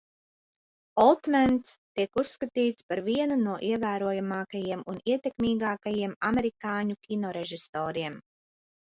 Oltmens tiek uzskatīts par vienu no ievērojamākajiem un ietekmīgākajiem amerikāņu kinorežisoriem.